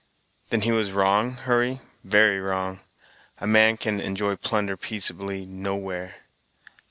"Then he was wrong, Hurry; very wrong. A man can enjoy plunder peaceably nowhere."